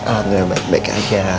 alhamdulillah baik baik aja